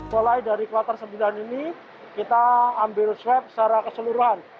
mulai dari kloter sembilan ini kita ambil swab secara keseluruhan